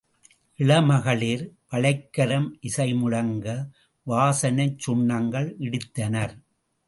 இளமகளிர் வளைக்கரம் இசை முழங்க, வாசனைச் சுண்ணங்கள் இடித்தனர்.